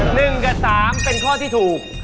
หนึ่งกับสามเป็นข้อที่ถูก